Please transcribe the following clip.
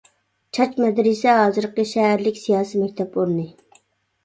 «چاچ مەدرىسە» ھازىرقى شەھەرلىك سىياسىي مەكتەپ ئورنى.